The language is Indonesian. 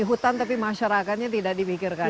hutan tapi masyarakatnya tidak dipikirkan